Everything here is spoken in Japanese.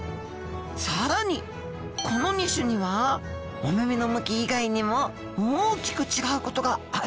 更にこの２種にはお目々の向き以外にも大きく違うことがあるんですよ。